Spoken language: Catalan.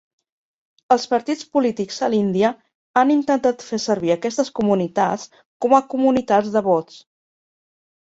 Els partits polítics a l'Índia han intentat fer servir aquestes comunitats com a comunitats de vots.